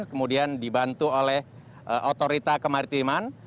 kemudian dibantu oleh otorita kemaritiman